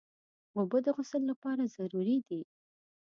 اوبه د غسل لپاره ضروري دي.